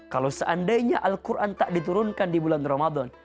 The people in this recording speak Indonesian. kalau seandainya al quran tak diturunkan di bulan ramadan